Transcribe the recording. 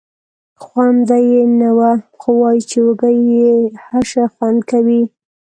خونده یې نه وه خو وایي چې وږی یې هر شی خوند کوي.